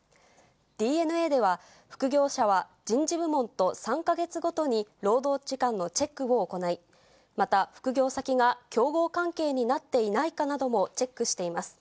ディー・エヌ・エーでは、副業者は人事部門と３か月ごとに労働時間のチェックを行い、また、副業先が競合関係になっていないかなどもチェックしています。